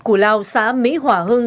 của lao xá mỹ hòa hưng